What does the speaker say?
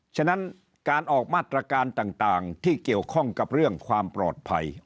ฉะนั้นการออกมาตรการต่างที่เกี่ยวข้องกับเรื่องความปลอดภัย